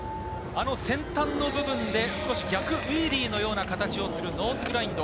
先端の部分で少し逆ウィーリーのような形をするノーズグラインド。